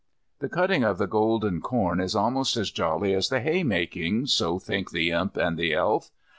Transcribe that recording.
The cutting of the golden corn is almost as jolly as the haymaking, so think the Imp and the Elf.